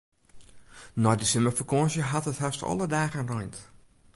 Nei de simmerfakânsje hat it hast alle dagen reind.